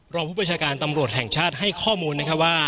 ผู้ประชาการตำรวจแห่งชาติให้ข้อมูลนะครับว่า